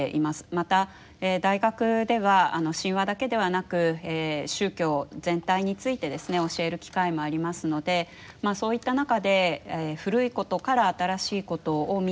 また大学では神話だけではなく宗教全体についてですね教える機会もありますのでまあそういった中で古いことから新しいことを見ていく。